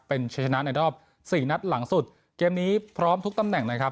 เป็นชัยชนะในรอบสี่นัดหลังสุดเกมนี้พร้อมทุกตำแหน่งนะครับ